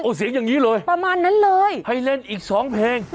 โอ้เสียงอย่างนี้เลยให้เล่นอีก๒เพลงประมาณนั้นเลย